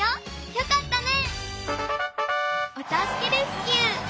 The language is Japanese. よかったね！